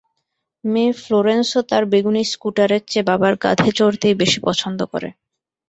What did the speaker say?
মেয়ে ফ্লোরেন্সও তার বেগুনি স্কুটারের চেয়ে বাবার কাঁধে চড়তেই বেশি পছন্দ করে।